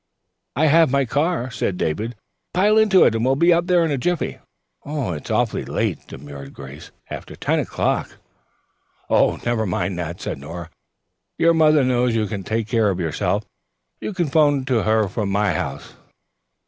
"I have my car here," said David. "Pile into it and we'll be up there in a jiffy." "It's awfully late," demurred Grace. "After ten o'clock." "Never mind that," said Nora. "Your mother knows you can take care of yourself. You can 'phone to her from my house."